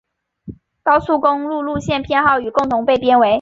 高速公路路线编号与共同被编为。